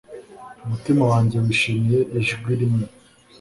Umutima wanjye wishimye ijwi rimwe